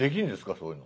そういうの。